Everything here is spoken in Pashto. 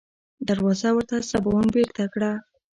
دروازه ورته سباوون بېرته کړه.